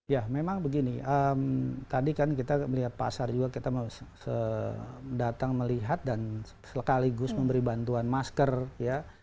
ya memang begini tadi kan kita melihat pasar juga kita datang melihat dan sekaligus memberi bantuan masker ya